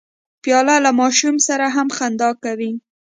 پیاله له ماشوم سره هم خندا کوي.